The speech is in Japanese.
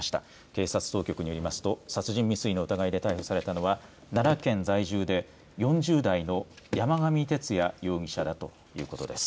警察当局によりますと殺人未遂の疑いで逮捕されたのは奈良県在住で４０代のやまがみてつや容疑者だということです。